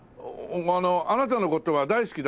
「あなたの事が大好きだ」